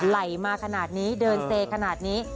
ไหลมาขนาดนี้เดินเซขนาดนี้